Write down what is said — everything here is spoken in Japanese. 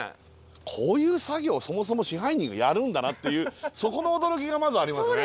こういう作業をそもそも支配人がやるんだなっていうそこの驚きがまずありますね。